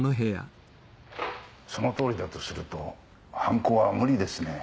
そのとおりだとすると犯行は無理ですね。